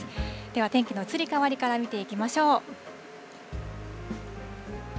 では、天気の移り変わりから見ていきましょう。